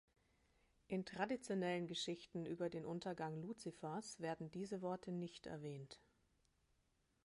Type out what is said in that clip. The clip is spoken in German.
In traditionellen Geschichten über den Untergang Luzifers werden diese Worte nicht erwähnt.